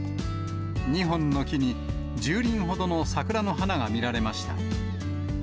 ２本の木に１０輪ほどの桜の花が見られました。